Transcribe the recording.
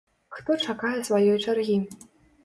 Хто чакае сваёй чаргі.